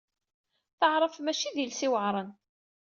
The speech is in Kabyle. Taɛṛabt maci d iles iweɛṛen.